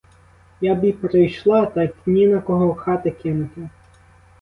Я б і прийшла, так ні на кого хати кинути.